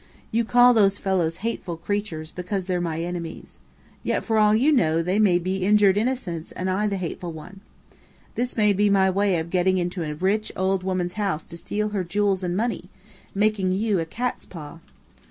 You call those fellows 'hateful creatures,' because they're my enemies. Yet, for all you know, they may be injured innocents and I the 'hateful' one. This may be my way of getting into a rich old woman's house to steal her jewels and money making you a cat's paw."